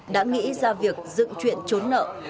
đã nghĩ ra việc dựng chuyện trốn nợ